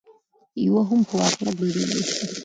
يوه هم په واقعيت بدله نشوه